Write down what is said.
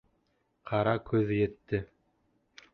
Ҡара көҙ етте.